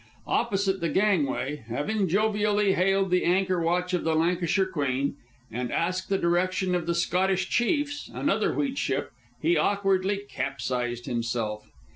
Opposite the gangway, having jovially hailed the anchor watch of the Lancashire Queen and asked the direction of the Scottish Chiefs, another wheat ship, he awkwardly capsized himself.